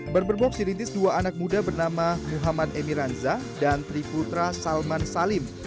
barber box dirintis dua anak muda bernama muhammad emiranza dan triputra salman salim